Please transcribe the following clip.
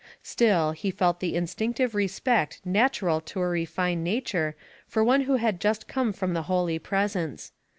Still he felt the instinctive re spect natural to a refined nature for one who had just come from the Holy Presence.